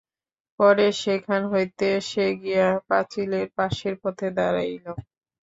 পরে সেখান হইতে সে গিয়া পাচিলের পাশের পথে দাঁড়াইল।